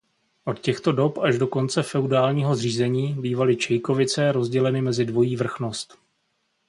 Od těchto dob až do konce feudálního zřízení bývaly Čejkovice rozděleny mezi dvojí vrchnost.